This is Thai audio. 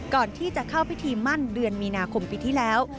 ก่อนที่จะเข้าพิธีมั่นเดือนมีนาคมปีที่แล้ว